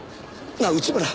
なあ内村！